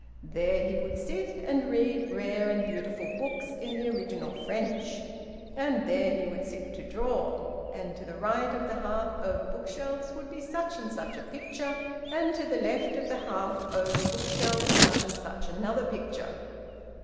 There he would sit and read rare and beautiful books in the original French! And there he would sit to draw! And to the right of the hearth over bookshelves would be such and such a picture, and to the left of the hearth over bookshelves such and such another picture...